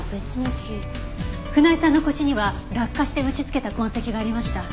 船井さんの腰には落下して打ちつけた痕跡がありました。